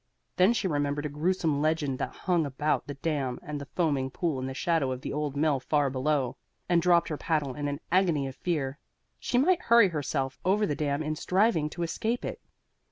Then she remembered a gruesome legend that hung about the dam and the foaming pool in the shadow of the old mill far below, and dropped her paddle in an agony of fear. She might hurry herself over the dam in striving to escape it!